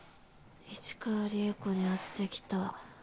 市川利枝子に会ってきた。